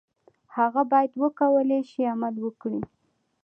هغه باید وکولای شي عمل وکړي.